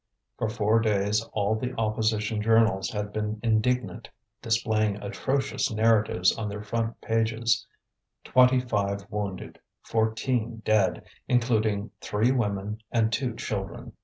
For four days all the opposition journals had been indignant, displaying atrocious narratives on their front pages: twenty five wounded, fourteen dead, including three women and two children.